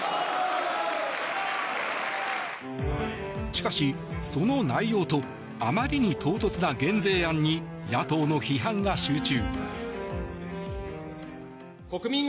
しかし、その内容とあまりに唐突な減税案に野党の批判が集中。